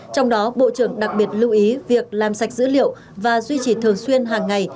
trong đó bộ trưởng đặc biệt lưu ý việc làm sạch dữ liệu và duy trì thường xuyên hàng ngày